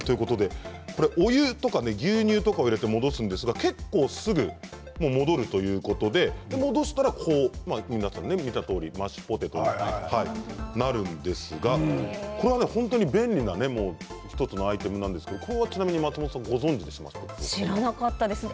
お湯や牛乳とかを入れて戻すんですが結構すぐに戻るということで戻したらマッシュポテトになるんですが本当に便利な１つのアイテムなんですがちなみに松本さん知らなかったです。